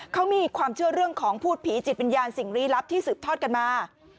เขามีความเชื่อเรื่องของพูดผีจิตวิญญาณสิ่งลี้ลับที่สืบทอดกันมา